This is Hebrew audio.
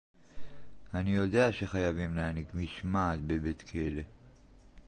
אני יודע שחייבים להנהיג משמעת בבית-כלא